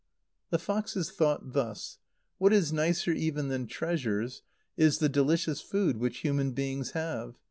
The foxes, thought thus: "What is nicer even than treasures is the delicious food which human beings have.